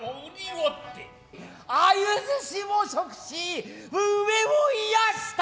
鮎鮨を食し飢えを癒やした。